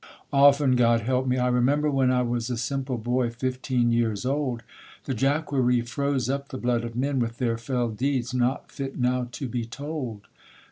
Often, God help me! I remember when I was a simple boy, fifteen years old, The Jacquerie froze up the blood of men With their fell deeds, not fit now to be told.